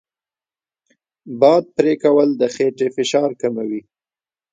باد پرې کول د خېټې فشار کموي.